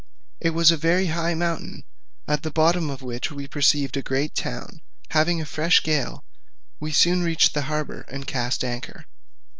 It was a very high mountain, at the bottom of which we perceived a great town: having a fresh gale, we soon reached the harbour, and cast anchor.